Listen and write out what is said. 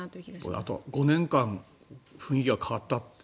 あと５年間、雰囲気が変わったって。